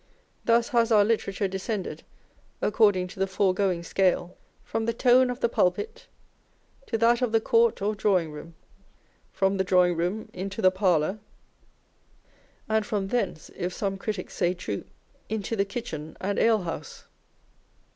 Thus has our literature descended (according to the foregoing scale) from the tone of the pulpit to that of the court or drawing room, from the drawing room into the parlour, and from thence, if some critics say true, into the kitchen and ale house.